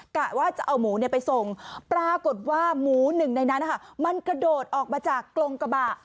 กะว่าจะเอาหมูไปส่งปรากฏว่าหมูหนึ่งในนั้นมันกระโดดออกมาจากกรงกระบะ